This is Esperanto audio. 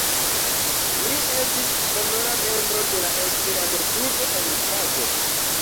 Li estis honora membro de la Esperanto-klubo en Prago.